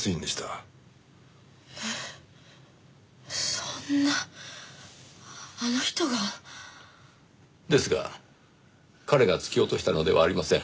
そんなあの人が？ですが彼が突き落としたのではありません。